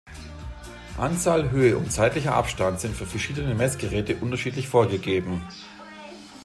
Anzahl, Höhe und zeitlicher Abstand sind für verschiedene Messgeräte unterschiedlich vorgegeben.